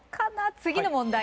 次の問題